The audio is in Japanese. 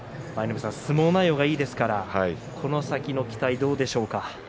相撲内容がいいですからこの先の期待どうでしょうか。